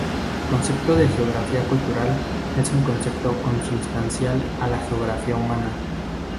El concepto de geografía cultural es un concepto consustancial a la Geografía humana.